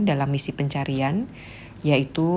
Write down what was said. dalam misi pencarian yaitu